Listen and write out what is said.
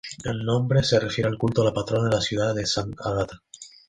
El nombre se refiere al culto a la patrona de la ciudad de Sant'Agata.